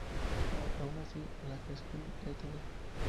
Aun así, Lucasfilm Ltd.